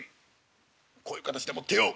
こういう形でもってよ。